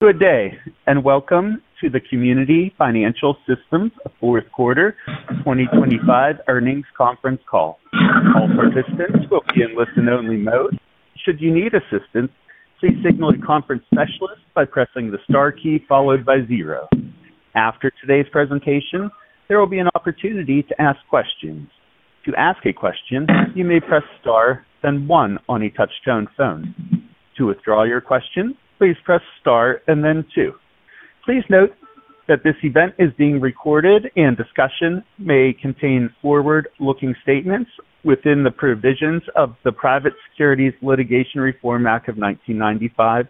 Good day, and welcome to the Community Financial System fourth quarter 2025 earnings conference call. All participants will be in listen-only mode. Should you need assistance, please signal a conference specialist by pressing the star key followed by zero. After today's presentation, there will be an opportunity to ask questions. To ask a question, you may press Star, then one on a touch-tone phone. To withdraw your question, please press Star and then two. Please note that this event is being recorded and discussion may contain forward-looking statements within the provisions of the Private Securities Litigation Reform Act of 1995,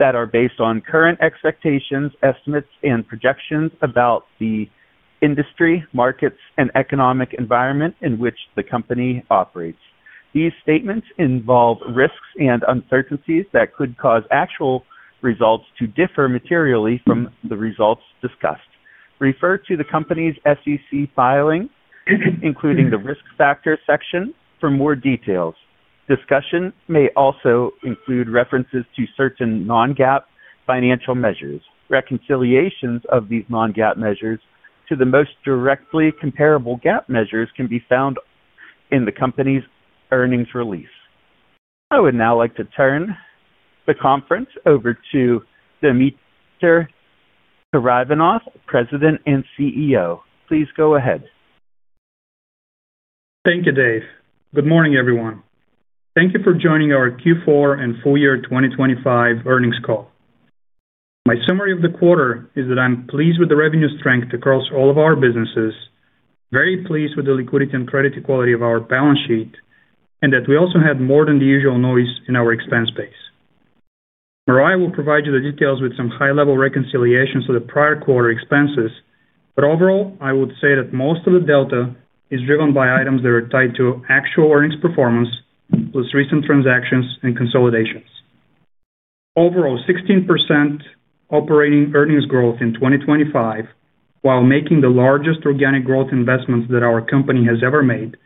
that are based on current expectations, estimates, and projections about the industry, markets, and economic environment in which the company operates. These statements involve risks and uncertainties that could cause actual results to differ materially from the results discussed. Refer to the company's SEC filing, including the Risk Factors section for more details. Discussion may also include references to certain non-GAAP financial measures. Reconciliations of these non-GAAP measures to the most directly comparable GAAP measures can be found in the company's earnings release. I would now like to turn the conference over to Dimitar Karaivanov, President and CEO. Please go ahead. Thank you, Dave. Good morning, everyone. Thank you for joining our Q4 and full year 2025 earnings call. My summary of the quarter is that I'm pleased with the revenue strength across all of our businesses, very pleased with the liquidity and credit quality of our balance sheet, and that we also had more than the usual noise in our expense base. Marya will provide you the details with some high-level reconciliations to the prior quarter expenses, but overall, I would say that most of the delta is driven by items that are tied to actual earnings performance, plus recent transactions and consolidations. Overall, 16% operating earnings growth in 2025, while making the largest organic growth investments that our company has ever made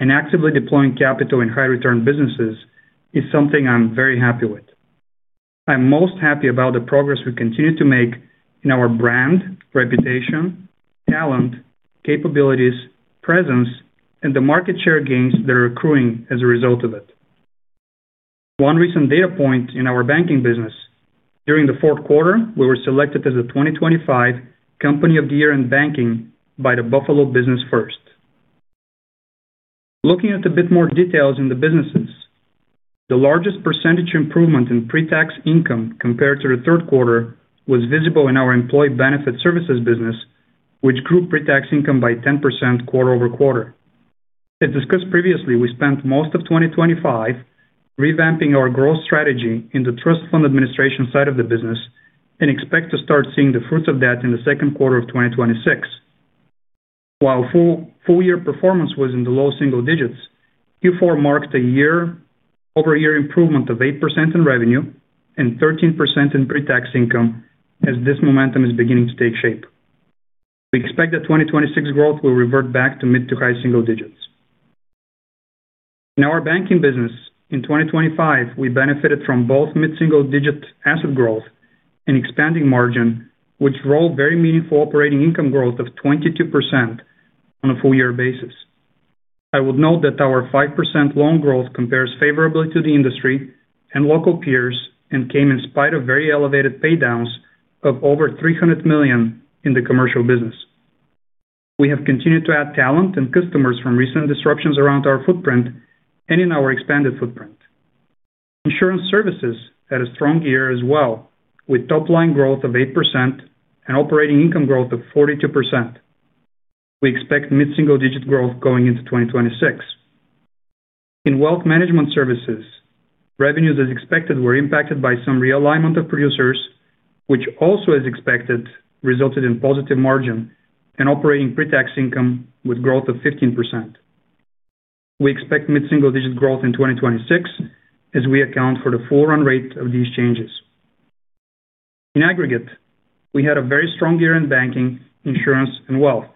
and actively deploying capital in high return businesses, is something I'm very happy with. I'm most happy about the progress we continue to make in our brand, reputation, talent, capabilities, presence, and the market share gains that are accruing as a result of it. One recent data point in our banking business, during the fourth quarter, we were selected as the 2025 Company of the Year in Banking by the Buffalo Business First. Looking at a bit more details in the businesses, the largest percentage improvement in pre-tax income compared to the third quarter was visible in our employee benefit services business, which grew pre-tax income by 10% quarter-over-quarter. As discussed previously, we spent most of 2025 revamping our growth strategy in the trust fund administration side of the business and expect to start seeing the fruits of that in the second quarter of 2026. While full, full year performance was in the low single digits, Q4 marked a year-over-year improvement of 8% in revenue and 13% in pre-tax income, as this momentum is beginning to take shape. We expect that 2026 growth will revert back to mid- to high single digits. In our banking business, in 2025, we benefited from both mid-single-digit asset growth and expanding margin, which drove very meaningful operating income growth of 22% on a full year basis. I would note that our 5% loan growth compares favorably to the industry and local peers, and came in spite of very elevated paydowns of over $300 million in the commercial business. We have continued to add talent and customers from recent disruptions around our footprint and in our expanded footprint. Insurance services had a strong year as well, with top line growth of 8% and operating income growth of 42%. We expect mid-single digit growth going into 2026. In wealth management services, revenues, as expected, were impacted by some realignment of producers, which also, as expected, resulted in positive margin and operating pre-tax income with growth of 15%. We expect mid-single digit growth in 2026 as we account for the full run rate of these changes. In aggregate, we had a very strong year in banking, insurance, and wealth.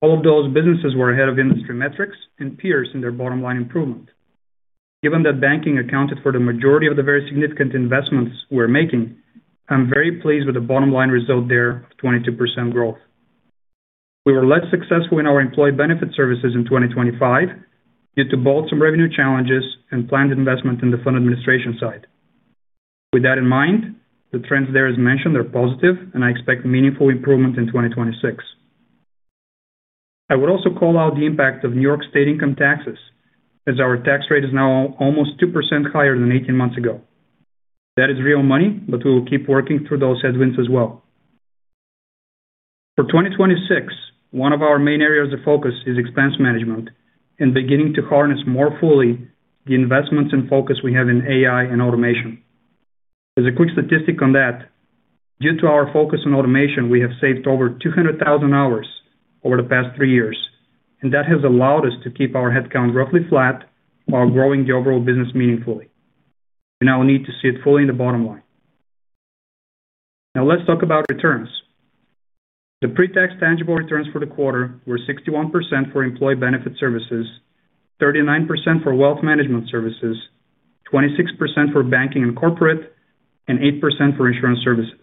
All of those businesses were ahead of industry metrics and peers in their bottom line improvement. Given that banking accounted for the majority of the very significant investments we're making, I'm very pleased with the bottom line result there of 22% growth. We were less successful in our employee benefit services in 2025, due to both some revenue challenges and planned investment in the fund administration side. With that in mind, the trends there, as mentioned, are positive and I expect meaningful improvement in 2026. I would also call out the impact of New York State income taxes, as our tax rate is now almost 2% higher than 18 months ago. That is real money, but we will keep working through those headwinds as well. For 2026, one of our main areas of focus is expense management and beginning to harness more fully the investments and focus we have in AI and automation. As a quick statistic on that, due to our focus on automation, we have saved over 200,000 hours over the past 3 years, and that has allowed us to keep our headcount roughly flat while growing the overall business meaningfully. We now need to see it fully in the bottom line. Now let's talk about returns. The pre-tax tangible returns for the quarter were 61% for employee benefit services, 39% for wealth management services, 26% for banking and corporate, and 8% for insurance services.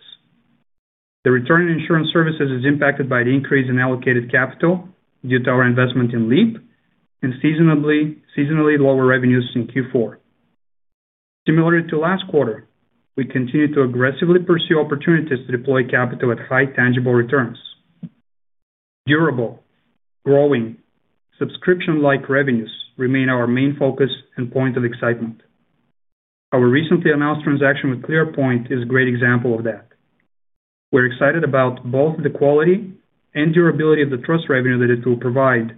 The return in insurance services is impacted by the increase in allocated capital due to our investment in Leap and seasonally lower revenues in Q4. Similar to last quarter, we continued to aggressively pursue opportunities to deploy capital at high tangible returns. Durable, growing, subscription-like revenues remain our main focus and point of excitement. Our recently announced transaction with ClearPoint is a great example of that. We're excited about both the quality and durability of the trust revenue that it will provide,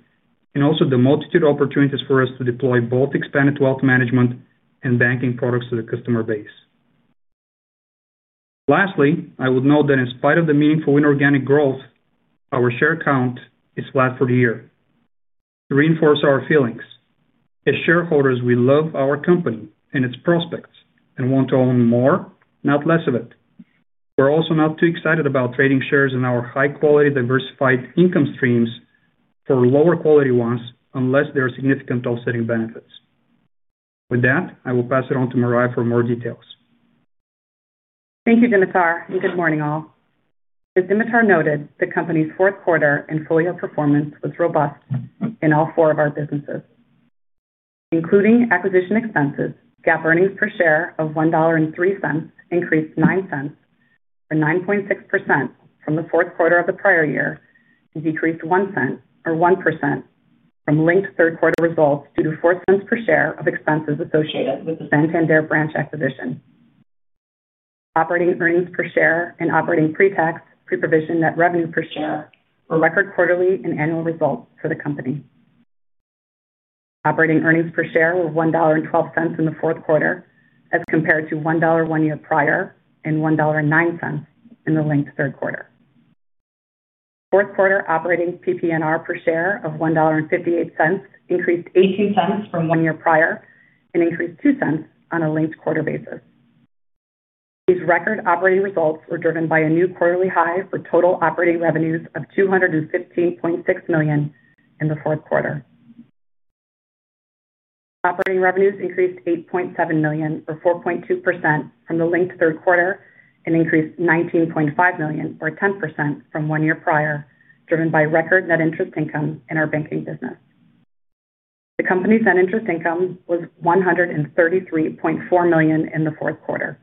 and also the multitude of opportunities for us to deploy both expanded wealth management and banking products to the customer base. Lastly, I would note that in spite of the meaningful inorganic growth, our share count is flat for the year. To reinforce our feelings, as shareholders, we love our company and its prospects and want to own more, not less of it. We're also not too excited about trading shares in our high-quality, diversified income streams for lower quality ones, unless there are significant offsetting benefits. With that, I will pass it on to Marya for more details. Thank you, Dimitar, and good morning, all. As Dimitar noted, the company's fourth quarter and full year performance was robust in all four of our businesses. Including acquisition expenses, GAAP earnings per share of $1.03 increased 9 cents, or 9.6% from the fourth quarter of the prior year, and decreased 1 cent, or 1% from linked third quarter results, due to 4 cents per share of expenses associated with the Santander branch acquisition. Operating earnings per share and operating pre-tax, pre-provision net revenue per share were record quarterly and annual results for the company. Operating earnings per share were $1.12 in the fourth quarter, as compared to $1 one year prior, and $1.09 in the linked third quarter. Fourth quarter operating PPNR per share of $1.58 increased 18 cents from one year prior and increased 2 cents on a linked quarter basis. These record operating results were driven by a new quarterly high for total operating revenues of $215.6 million in the fourth quarter. Operating revenues increased $8.7 million, or 4.2% from the linked third quarter and increased $19.5 million, or 10% from one year prior, driven by record net interest income in our banking business. The company's net interest income was $133.4 million in the fourth quarter.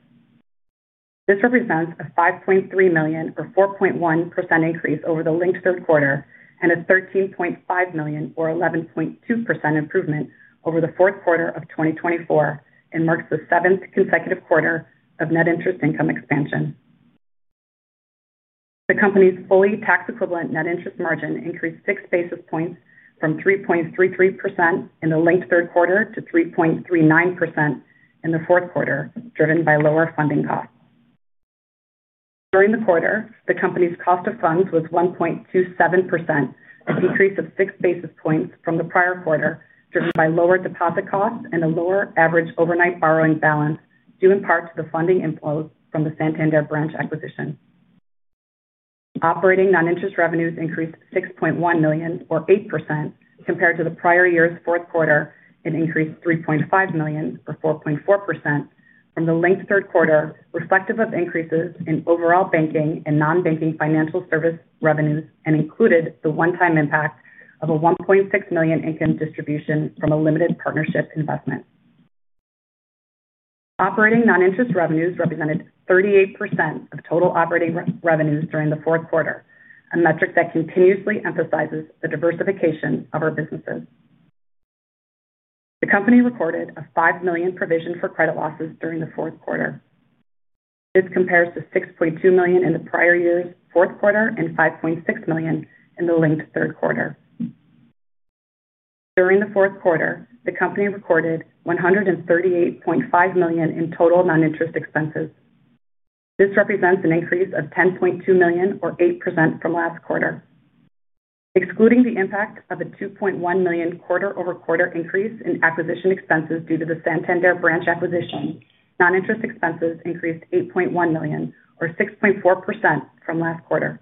This represents a $5.3 million, or 4.1% increase over the linked third quarter, and a $13.5 million, or 11.2% improvement over the fourth quarter of 2024, and marks the seventh consecutive quarter of net interest income expansion. The company's fully tax-equivalent net interest margin increased six basis points from 3.33% in the linked third quarter to 3.39% in the fourth quarter, driven by lower funding costs. During the quarter, the company's cost of funds was 1.27%, a decrease of six basis points from the prior quarter, driven by lower deposit costs and a lower average overnight borrowing balance, due in part to the funding inflows from the Santander branch acquisition. Operating non-interest revenues increased $6.1 million, or 8% compared to the prior year's fourth quarter, and increased $3.5 million, or 4.4% from the linked third quarter, reflective of increases in overall banking and non-banking financial service revenues, and included the one-time impact of a $1.6 million income distribution from a limited partnership investment. Operating non-interest revenues represented 38% of total operating revenues during the fourth quarter, a metric that continuously emphasizes the diversification of our businesses. The company recorded a $5 million provision for credit losses during the fourth quarter. This compares to $6.2 million in the prior year's fourth quarter, and $5.6 million in the linked third quarter. During the fourth quarter, the company recorded $138.5 million in total non-interest expenses. This represents an increase of $10.2 million, or 8% from last quarter. Excluding the impact of a $2.1 million quarter-over-quarter increase in acquisition expenses due to the Santander branch acquisition, non-interest expenses increased $8.1 million, or 6.4% from last quarter.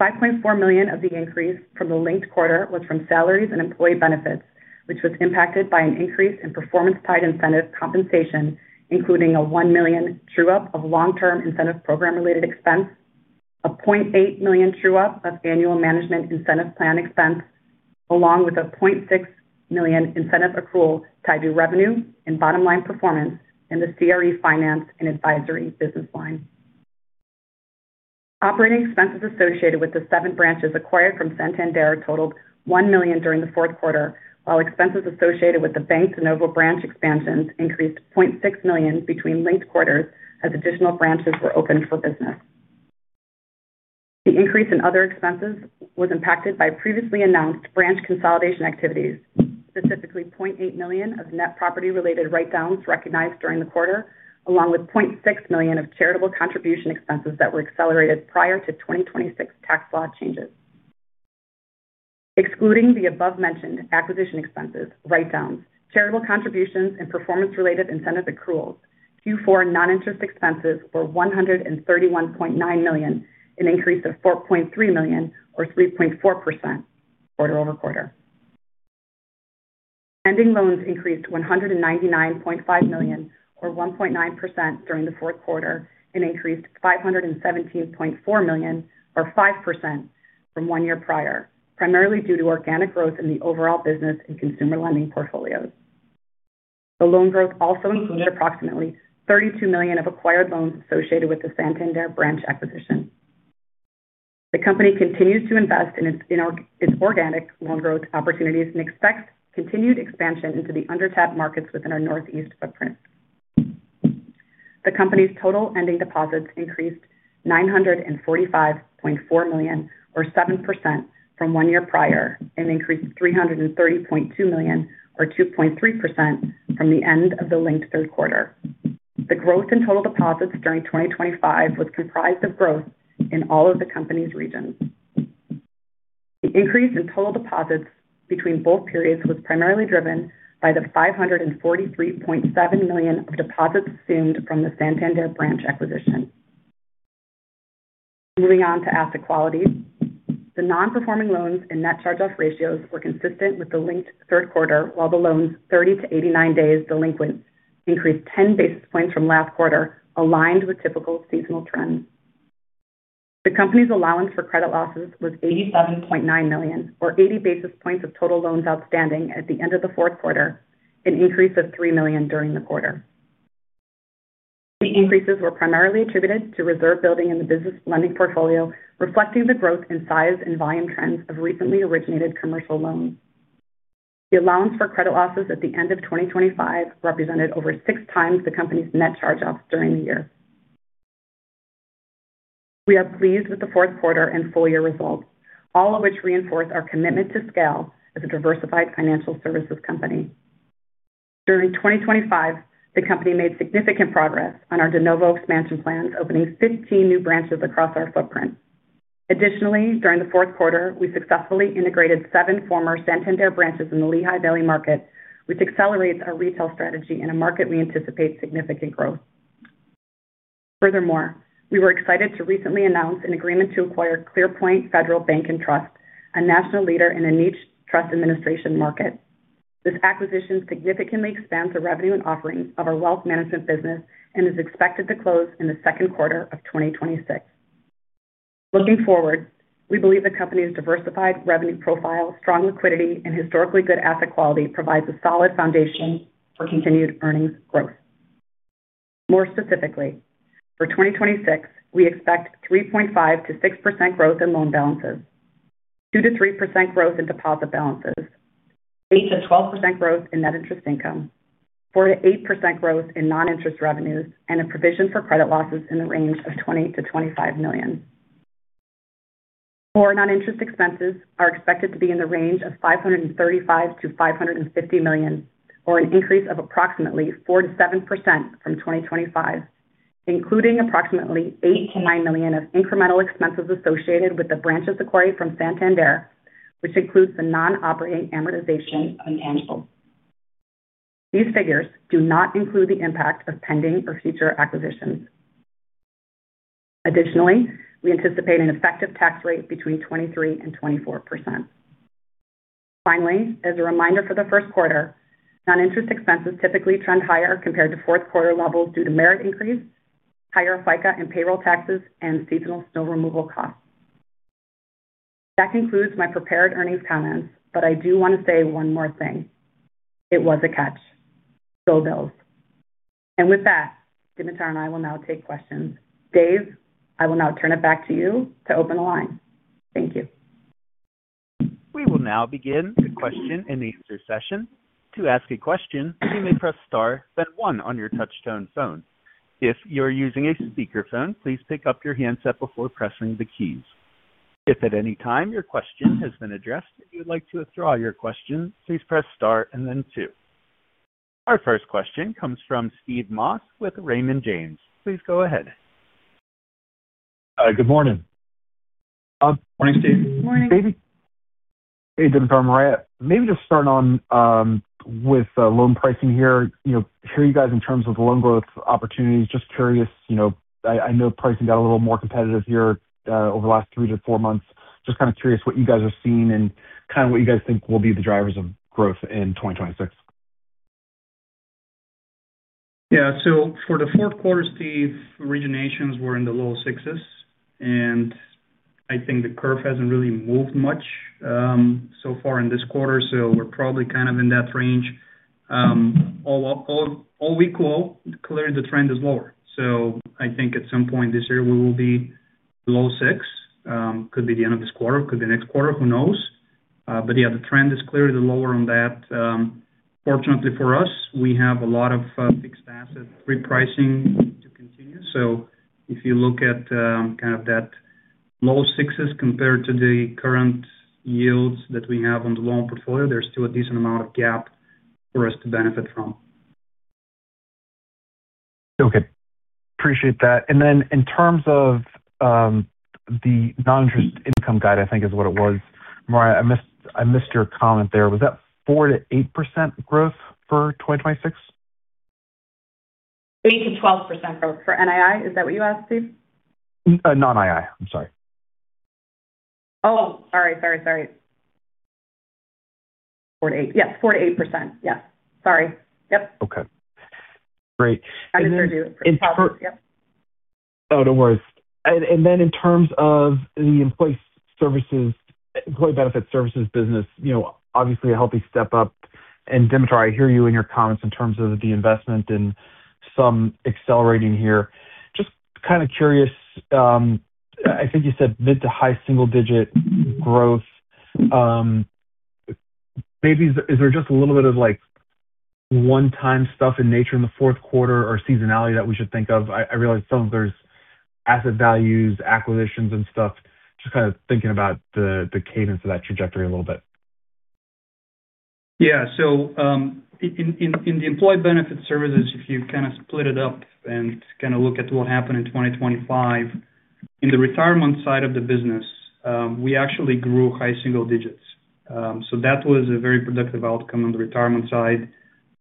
$5.4 million of the increase from the linked quarter was from salaries and employee benefits, which was impacted by an increase in performance-tied incentive compensation, including a $1 million true-up of long-term incentive program-related expense, a $0.8 million true-up of annual management incentive plan expense, along with a $0.6 million incentive accrual tied to revenue and bottom-line performance in the CRE finance and advisory business line. Operating expenses associated with the seven branches acquired from Santander totaled $1 million during the fourth quarter, while expenses associated with the de novo branch expansions increased $0.6 million between linked quarters as additional branches were opened for business. The increase in other expenses was impacted by previously announced branch consolidation activities, specifically $0.8 million of net property-related write-downs recognized during the quarter, along with $0.6 million of charitable contribution expenses that were accelerated prior to 2026 tax law changes.... Excluding the above-mentioned acquisition expenses, write-downs, charitable contributions, and performance-related incentive accruals, Q4 non-interest expenses were $131.9 million, an increase of $4.3 million or 3.4% quarter-over-quarter. Ending loans increased $199.5 million or 1.9% during the fourth quarter, and increased $517.4 million or 5% from one year prior, primarily due to organic growth in the overall business and consumer lending portfolios. The loan growth also includes approximately $32 million of acquired loans associated with the Santander branch acquisition. The company continues to invest in its organic loan growth opportunities and expects continued expansion into the undertapped markets within our Northeast footprint. The company's total ending deposits increased $945.4 million, or 7% from one year prior, and increased $330.2 million, or 2.3% from the end of the linked third quarter. The growth in total deposits during 2025 was comprised of growth in all of the company's regions. The increase in total deposits between both periods was primarily driven by the $543.7 million of deposits assumed from the Santander branch acquisition. Moving on to asset quality. The non-performing loans and net charge-off ratios were consistent with the linked third quarter, while the loans 30-89 days delinquent increased 10 basis points from last quarter, aligned with typical seasonal trends. The company's allowance for credit losses was $87.9 million, or 80 basis points of total loans outstanding at the end of the fourth quarter, an increase of $3 million during the quarter. The increases were primarily attributed to reserve building in the business lending portfolio, reflecting the growth in size and volume trends of recently originated commercial loans. The allowance for credit losses at the end of 2025 represented over 6 times the company's net charge-offs during the year. We are pleased with the fourth quarter and full year results, all of which reinforce our commitment to scale as a diversified financial services company. During 2025, the company made significant progress on our de novo expansion plans, opening 15 new branches across our footprint. Additionally, during the fourth quarter, we successfully integrated 7 former Santander branches in the Lehigh Valley market, which accelerates our retail strategy in a market we anticipate significant growth. Furthermore, we were excited to recently announce an agreement to acquire ClearPoint Federal Bank & Trust, a national leader in a niche trust administration market. This acquisition significantly expands the revenue and offerings of our wealth management business and is expected to close in the second quarter of 2026. Looking forward, we believe the company's diversified revenue profile, strong liquidity, and historically good asset quality provides a solid foundation for continued earnings growth. More specifically, for 2026, we expect 3.5%–6% growth in loan balances, 2%–3% growth in deposit balances, 8%–12% growth in net interest income, 4%–8% growth in non-interest revenues, and a provision for credit losses in the range of $20 million–$25 million. Non-interest expenses are expected to be in the range of $535 million–$550 million, or an increase of approximately 4%-7% from 2025, including approximately $8 million-$9 million of incremental expenses associated with the branches acquired from Santander, which includes the non-operating amortization on annual. These figures do not include the impact of pending or future acquisitions. Additionally, we anticipate an effective tax rate between 23% and 24%. Finally, as a reminder for the first quarter, non-interest expenses typically trend higher compared to fourth quarter levels due to merit increase, higher FICA and payroll taxes, and seasonal snow removal costs. That concludes my prepared earnings comments, but I do want to say one more thing: It was a catch. Go Bills! And with that, Dimitar and I will now take questions. Dave, I will now turn it back to you to open the line. Thank you. We will now begin the question and answer session. To ask a question, you may press star, then one on your touchtone phone. If you're using a speakerphone, please pick up your handset before pressing the keys. If at any time your question has been addressed, if you'd like to withdraw your question, please press star and then two. Our first question comes from Steve Moss with Raymond James. Please go ahead. Good morning. Morning, Steve. Morning. Hey, Dimitar and Marya, maybe just start on with loan pricing here. You know, hear you guys in terms of loan growth opportunities. Just curious, you know, I, I know pricing got a little more competitive here over the last 3-4 months. Just kind of curious what you guys are seeing and kind of what you guys think will be the drivers of growth in 2026. Yeah. So for the fourth quarter, Steve, originations were in the low sixes, and I think the curve hasn't really moved much, so far in this quarter, so we're probably kind of in that range. Clearly the trend is lower. So I think at some point this year, we will be low six. Could be the end of this quarter, could be next quarter, who knows? But yeah, the trend is clearly lower on that. Fortunately for us, we have a lot of fixed asset repricing to continue. So if you look at kind of that low sixes compared to the current yields that we have on the loan portfolio, there's still a decent amount of gap for us to benefit from.... Okay, appreciate that. Then in terms of the non-interest income guide, I think is what it was, Marya, I missed, I missed your comment there. Was that 4%-8% growth for 2026? 8%-12% growth for NII, is that what you asked, Steve? Non-NII. I'm sorry. Oh, sorry, sorry, sorry. 4–8. Yeah, 4%–8%. Yeah. Sorry. Yep. Okay, great. I misheard you. Yep. Oh, no worries. And then in terms of the employee services, employee benefit services business, you know, obviously a healthy step up. And Dimitar, I hear you in your comments in terms of the investment and some accelerating here. Just kind of curious, I think you said mid to high single digit growth. Maybe is there just a little bit of like one-time stuff in nature in the fourth quarter or seasonality that we should think of? I realize some of there's asset values, acquisitions and stuff. Just kind of thinking about the cadence of that trajectory a little bit. Yeah. So, in the employee benefit services, if you kind of split it up and kind of look at what happened in 2025, in the retirement side of the business, we actually grew high single digits. So that was a very productive outcome on the retirement side.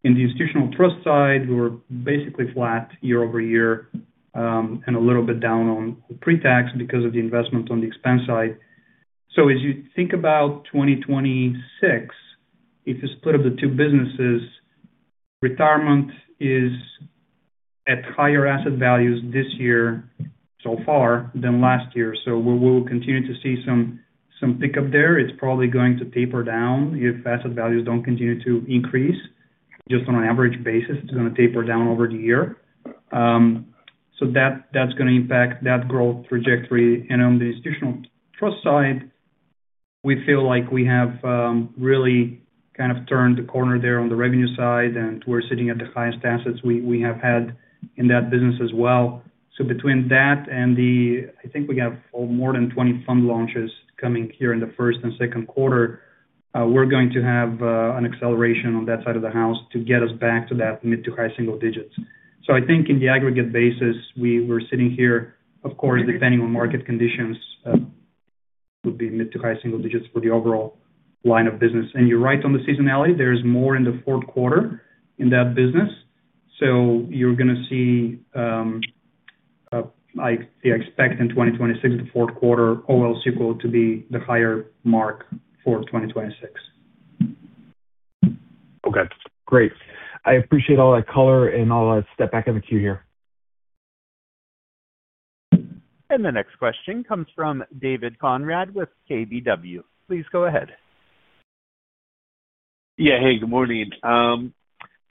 In the institutional trust side, we were basically flat year-over-year, and a little bit down on pre-tax because of the investment on the expense side. So as you think about 2026, if you split up the two businesses, retirement is at higher asset values this year so far than last year. So we will continue to see some pickup there. It's probably going to taper down if asset values don't continue to increase. Just on an average basis, it's gonna taper down over the year. So that, that's gonna impact that growth trajectory. And on the institutional trust side, we feel like we have really kind of turned the corner there on the revenue side, and we're sitting at the highest assets we have had in that business as well. So between that and the, I think we have more than 20 fund launches coming here in the first and second quarter, we're going to have an acceleration on that side of the house to get us back to that mid to high single digits. So I think in the aggregate basis, we were sitting here, of course, depending on market conditions, would be mid to high single digits for the overall line of business. And you're right on the seasonality. There's more in the fourth quarter in that business, so you're gonna see, I expect in 2026, the fourth quarter, all else equal, to be the higher mark for 2026. Okay, great. I appreciate all that color, and I'll step back in the queue here. The next question comes from David Konrad with KBW. Please go ahead. Yeah. Hey, good morning.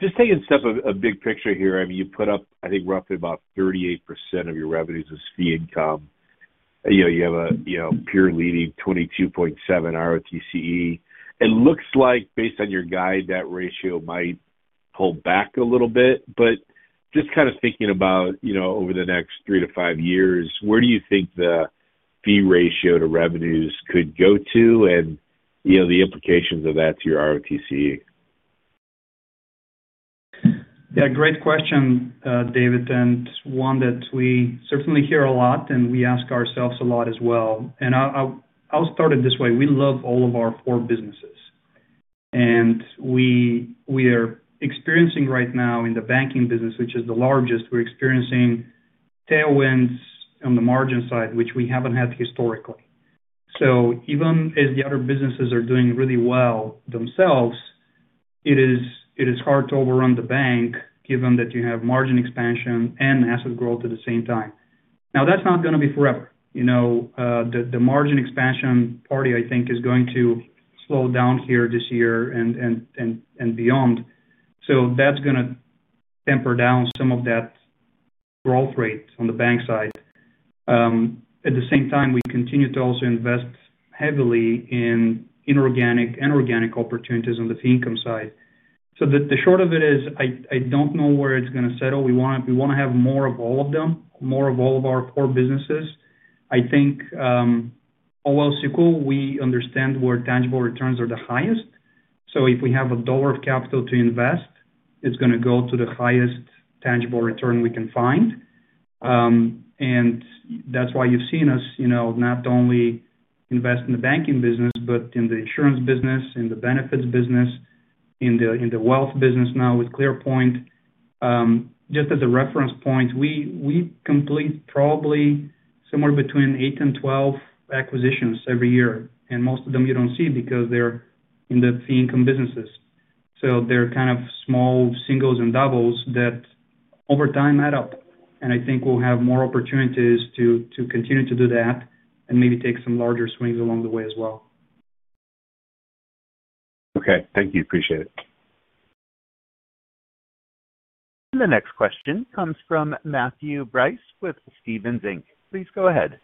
Just taking a step back, big picture here. I mean, you put up, I think, roughly about 38% of your revenues as fee income. You know, you have a, you know, peer-leading 22.7 ROTCE. It looks like based on your guide, that ratio might pull back a little bit, but just kind of thinking about, you know, over the next 3–5 years, where do you think the fee ratio to revenues could go to? And, you know, the implications of that to your ROTCE. Yeah, great question, David, and one that we certainly hear a lot, and we ask ourselves a lot as well. And I, I'll start it this way: We love all of our core businesses. And we, we are experiencing right now in the banking business, which is the largest, we're experiencing tailwinds on the margin side, which we haven't had historically. So even as the other businesses are doing really well themselves, it is, it is hard to overrun the bank, given that you have margin expansion and asset growth at the same time. Now, that's not gonna be forever. You know, the, the margin expansion party, I think, is going to slow down here this year and beyond. So that's gonna temper down some of that growth rate on the bank side. At the same time, we continue to also invest heavily in inorganic and organic opportunities on the fee income side. So the short of it is, I don't know where it's gonna settle. We want to have more of all of them, more of all of our core businesses. I think, all else equal, we understand where tangible returns are the highest. So if we have a dollar of capital to invest, it's gonna go to the highest tangible return we can find. And that's why you've seen us, you know, not only invest in the banking business, but in the insurance business, in the benefits business, in the wealth business now with ClearPoint. Just as a reference point, we complete probably somewhere between 8 and 12 acquisitions every year, and most of them you don't see because they're in the fee income businesses. So they're kind of small singles and doubles that over time add up. And I think we'll have more opportunities to continue to do that and maybe take some larger swings along the way as well. Okay. Thank you. Appreciate it. The next question comes from Matthew Breese with Stephens Inc. Please go ahead.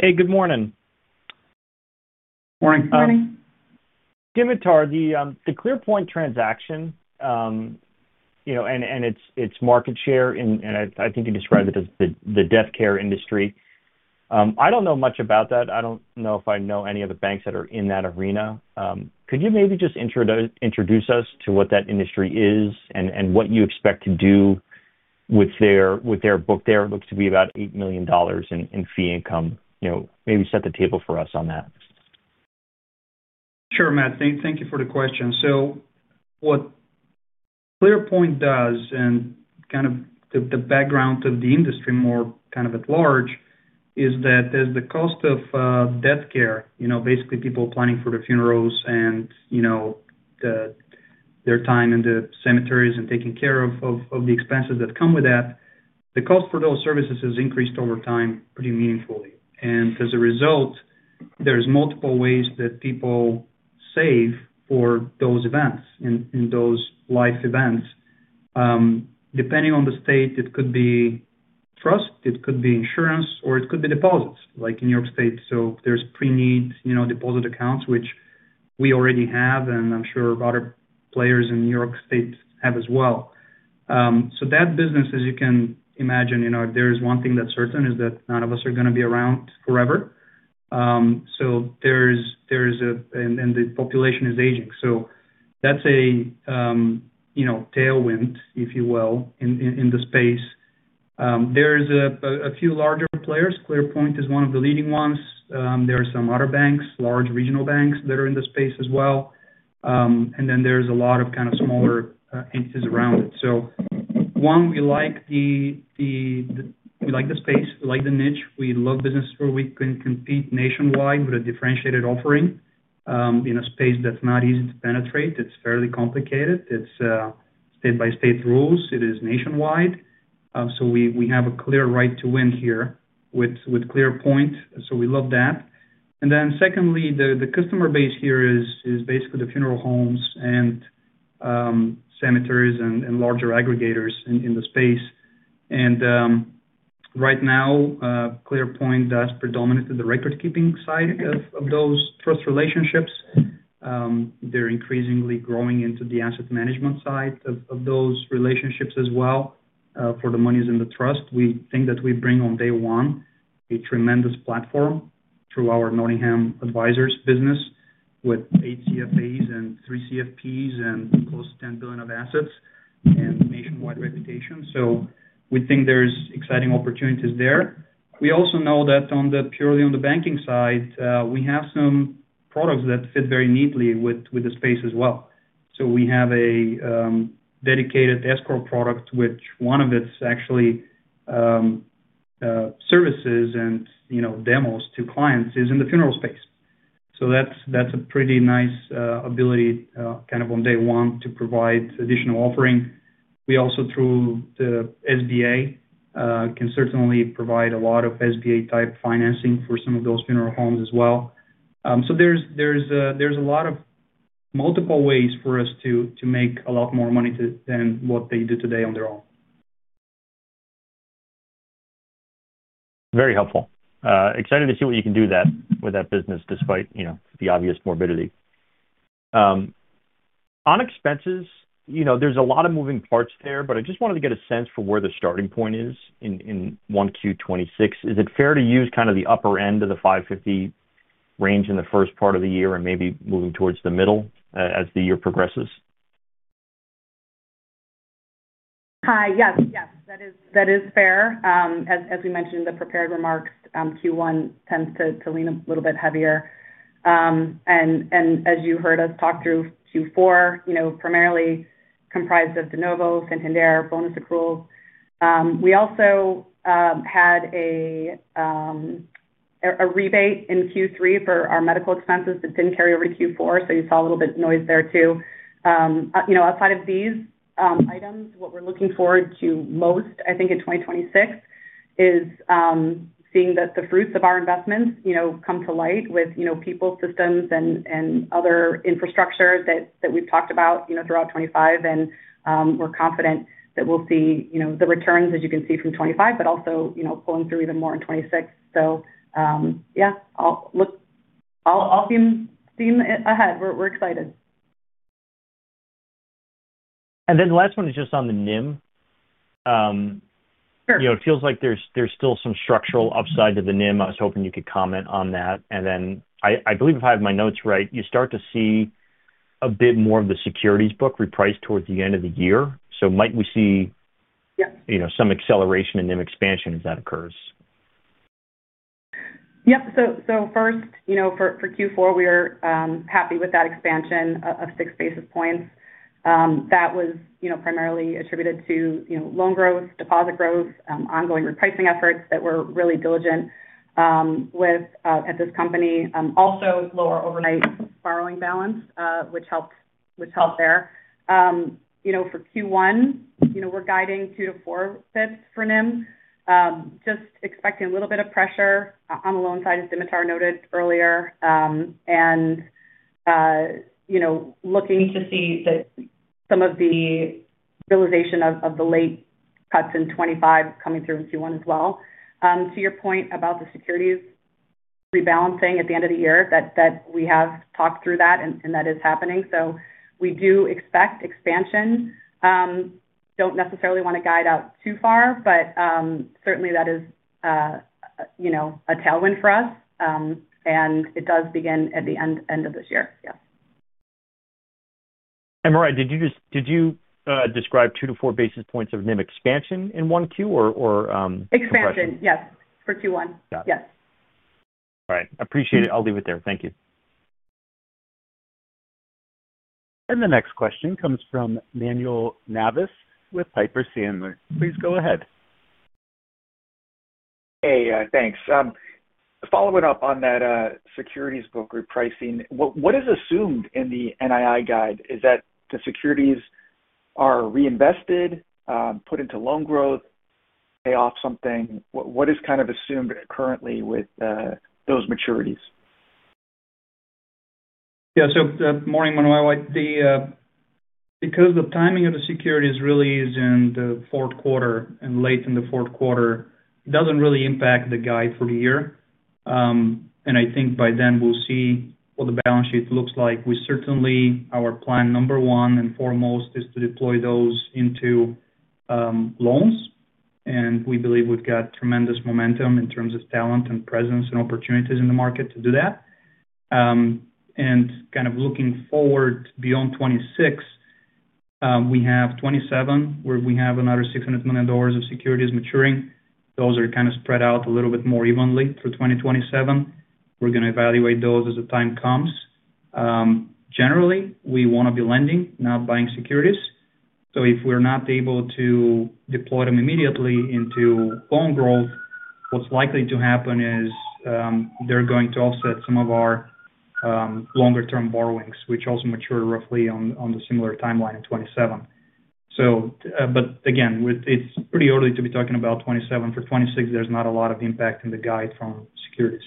Hey, good morning. Morning. Dimitar, the ClearPoint transaction, you know, and its market share in—and I think you described it as the death care industry. ... I don't know much about that. I don't know if I know any of the banks that are in that arena. Could you maybe just introduce us to what that industry is and what you expect to do with their book there? It looks to be about $8 million in fee income. You know, maybe set the table for us on that. Sure, Matt. Thank you for the question. So what ClearPoint does, and kind of the background of the industry, more kind of at large, is that as the cost of death care, you know, basically people planning for their funerals and, you know, their time in the cemeteries and taking care of the expenses that come with that, the cost for those services has increased over time pretty meaningfully. And as a result, there's multiple ways that people save for those events and those life events. Depending on the state, it could be trust, it could be insurance, or it could be deposits, like in New York State. So there's pre-need, you know, deposit accounts, which we already have, and I'm sure a lot of players in New York State have as well. So that business, as you can imagine, you know, if there is one thing that's certain, is that none of us are going to be around forever. So there is a and the population is aging, so that's a, you know, tailwind, if you will, in, in, in the space. There is a few larger players. ClearPoint is one of the leading ones. There are some other banks, large regional banks, that are in the space as well. And then there's a lot of kind of smaller, entities around it. So we like the space, we like the niche. We love businesses where we can compete nationwide with a differentiated offering, in a space that's not easy to penetrate. It's fairly complicated. It's state-by-state rules. It is nationwide. So we have a clear right to win here with ClearPoint, so we love that. And then secondly, the customer base here is basically the funeral homes and cemeteries and larger aggregators in the space. And right now, ClearPoint does predominantly the record-keeping side of those trust relationships. They're increasingly growing into the asset management side of those relationships as well for the monies in the trust. We think that we bring, on day one, a tremendous platform through our Nottingham Advisors business, with 8 CFAs and 3 CFPs and close to $10 billion of assets and nationwide reputation. So we think there's exciting opportunities there. We also know that purely on the banking side, we have some products that fit very neatly with the space as well. So we have a dedicated escrow product, which one of its actually services and, you know, demos to clients is in the funeral space. So that's a pretty nice ability kind of on day one, to provide additional offering. We also, through the SBA, can certainly provide a lot of SBA-type financing for some of those funeral homes as well. So there's a lot of multiple ways for us to make a lot more money to than what they do today on their own. Very helpful. Excited to see what you can do with that, with that business, despite, you know, the obvious morbidity. On expenses, you know, there's a lot of moving parts there, but I just wanted to get a sense for where the starting point is in, in 1Q26. Is it fair to use kind of the upper end of the 550 range in the first part of the year and maybe moving towards the middle, as the year progresses? Hi. Yes, yes, that is, that is fair. As we mentioned in the prepared remarks, Q1 tends to lean a little bit heavier. And as you heard us talk through Q4, you know, primarily comprised of de novos and incentive bonus accruals. We also had a rebate in Q3 for our medical expenses that didn't carry over to Q4, so you saw a little bit of noise there, too. You know, outside of these items, what we're looking forward to most, I think in 2026, is seeing that the fruits of our investments, you know, come to light with, you know, people, systems and other infrastructure that we've talked about, you know, throughout 2025. We're confident that we'll see, you know, the returns, as you can see from 2025, but also, you know, pulling through even more in 2026. So, yeah, I'll see you ahead. We're excited. Then the last one is just on the NIM. Sure. You know, it feels like there's, there's still some structural upside to the NIM. I was hoping you could comment on that. And then, I, I believe if I have my notes right, you start to see a bit more of the securities book repriced towards the end of the year. So might we see- Yeah. you know, some acceleration in NIM expansion as that occurs? Yep. So first, you know, for Q4, we are happy with that expansion of 6 basis points. That was, you know, primarily attributed to, you know, loan growth, deposit growth, ongoing repricing efforts that we're really diligent with at this company. Also lower overnight borrowing balance, which helped, which helped there. You know, for Q1, you know, we're guiding 2-4 pips for NIM. Just expecting a little bit of pressure on the loan side, as Dimitar noted earlier. And, you know, looking to see that some of the realization of the late cuts in 2025 coming through in Q1 as well. To your point about the securities rebalancing at the end of the year, that we have talked through that and that is happening. So we do expect expansion. Don't necessarily want to guide out too far, but certainly that is, you know, a tailwind for us. And it does begin at the end of this year. Yes. Marya, did you just describe 2-4 basis points of NIM expansion in one Q, or compression? Expansion, yes. For Q1. Got it. Yes. All right. Appreciate it. I'll leave it there. Thank you. The next question comes from Manuel Navas with Piper Sandler. Please go ahead. Hey, thanks. Following up on that, securities book repricing, what is assumed in the NII guide? Is that the securities are reinvested, put into loan growth, pay off something? What is kind of assumed currently with those maturities? Yeah. So, morning, Manuel. Because the timing of the securities really is in the fourth quarter and late in the fourth quarter, it doesn't really impact the guide for the year. I think by then we'll see what the balance sheet looks like. We certainly, our plan number one and foremost is to deploy those into loans, and we believe we've got tremendous momentum in terms of talent and presence and opportunities in the market to do that. Kind of looking forward beyond 2026, we have 2027, where we have another $600 million of securities maturing. Those are kind of spread out a little bit more evenly through 2027. We're going to evaluate those as the time comes. Generally, we want to be lending, not buying securities. So if we're not able to deploy them immediately into loan growth, what's likely to happen is, they're going to offset some of our, longer term borrowings, which also mature roughly on, on the similar timeline in 2027. So, but again, with -- it's pretty early to be talking about 2027. For 2026, there's not a lot of impact in the guide from securities.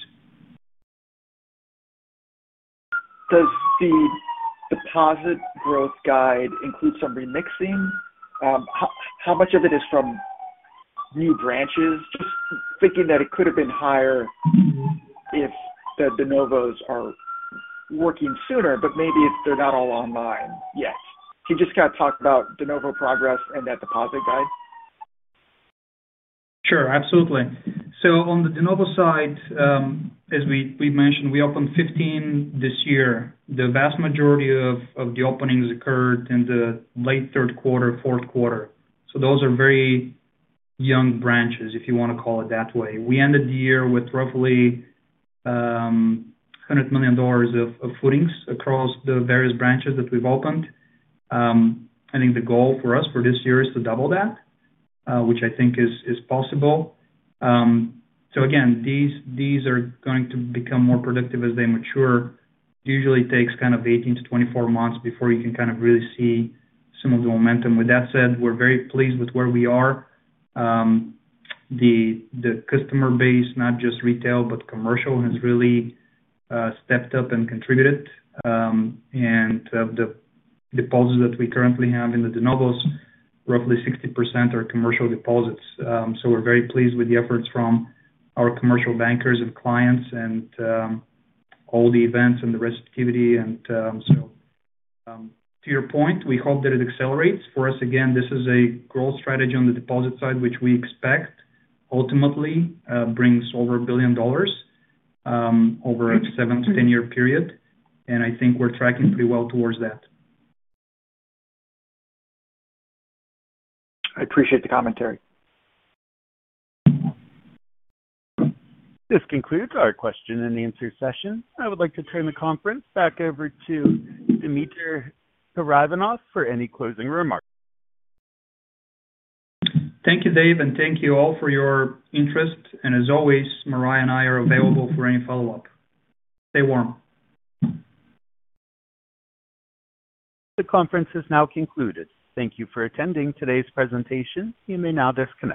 Does the deposit growth guide include some remixing? How much of it is from new branches? Just thinking that it could have been higher if the de novos are working sooner, but maybe if they're not all online yet. Can you just kind of talk about de novo progress and that deposit guide? Sure, absolutely. So on the de novo side, as we, we've mentioned, we opened 15 this year. The vast majority of, of the openings occurred in the late third quarter, fourth quarter. So those are very young branches, if you want to call it that way. We ended the year with roughly $100 million of, of footings across the various branches that we've opened. I think the goal for us for this year is to double that, which I think is, is possible. So again, these, these are going to become more productive as they mature. Usually takes kind of 18-24 months before you can kind of really see some of the momentum. With that said, we're very pleased with where we are. The, the customer base, not just retail, but commercial, has really, stepped up and contributed. The deposits that we currently have in the de novos, roughly 60% are commercial deposits. We're very pleased with the efforts from our commercial bankers and clients and all the events and the rest activity. To your point, we hope that it accelerates. For us, again, this is a growth strategy on the deposit side, which we expect ultimately brings over $1 billion over a 7- to 10-year period, and I think we're tracking pretty well towards that. I appreciate the commentary. This concludes our question and answer session. I would like to turn the conference back over to Dimitar Karaivanov for any closing remarks. Thank you, Dave, and thank you all for your interest. As always, Marya and I are available for any follow-up. Stay warm. The conference is now concluded. Thank you for attending today's presentation. You may now disconnect.